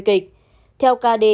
khi cử tri đi bỏ phòng